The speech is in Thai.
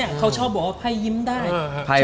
โอเคเรามาเปิดไภ